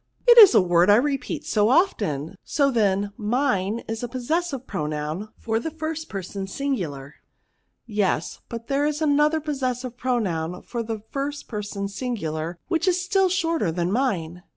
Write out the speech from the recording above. it is a word I re peat so often* So then, mine is the pos sessive pronoun for the first person sin gular*" " Yes; but there is another possessive pronoun for the first person singular, which is still shorter than mine.